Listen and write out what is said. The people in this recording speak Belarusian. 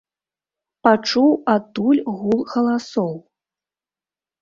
Пачуў адтуль гул галасоў.